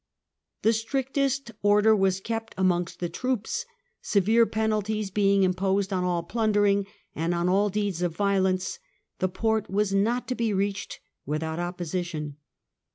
The strictest order was kept amongst the troops, severe penalties be ing imposed on all plundering and on all deeds of vio lence. The port was not to be reached without opposi tion.